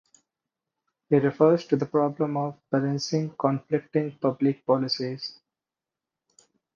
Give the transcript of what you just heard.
He refers to the problem of balancing conflicting public policies.